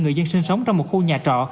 người dân sinh sống trong một khu nhà trọ